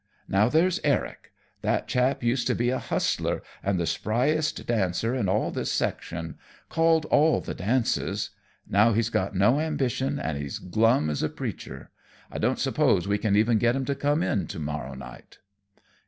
Now there's Eric; that chap used to be a hustler and the spryest dancer in all this section called all the dances. Now he's got no ambition and he's glum as a preacher. I don't suppose we can even get him to come in to morrow night."